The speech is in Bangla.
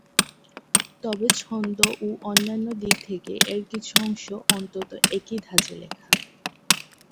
তবে ছন্দ ও অন্যান্য দিক থেকে এর কিছু অংশ অন্তত একই ধাঁচে লেখা।